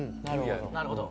なるほど。